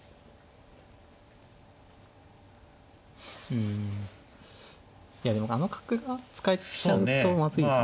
うんいやでもあの角が使えちゃうとまずいですよね。